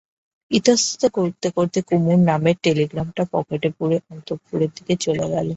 ইতস্তত করতে করতে কুমুর নামের টেলিগ্রামটা পকেটে পুরে অন্তঃপুরের দিকে চলে গেল।